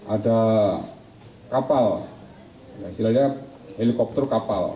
ada kapal helikopter kapal